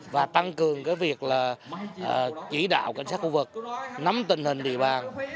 và tăng cường việc chỉ đạo cảnh sát khu vực nắm tình hình địa bàn